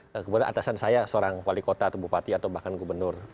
kemudian atasan saya seorang wali kota atau bupati atau bahkan gubernur